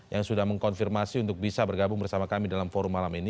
yang sudah mengkonfirmasi untuk bisa bergabung bersama kami dalam forum malam ini